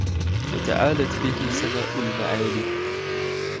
وتعالتْ به سماءُ المعالي